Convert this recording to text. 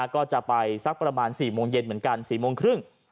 ก็จะไปสักประมาณ๔โมงเย็นเหมือนกัน๔โมงครึ่ง